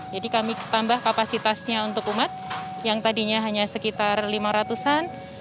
jadi kami tambah kapasitasnya untuk umat yang tadinya hanya sekitar lima ratusan